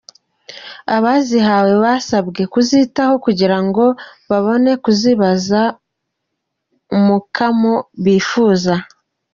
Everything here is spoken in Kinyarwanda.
Abazihawe basabwe kuzitaho, kugira ngo babone kuzibaza umukamo bifuza.